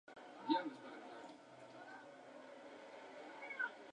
Este sencillo llegó hasta el tercer puesto del ranking británico.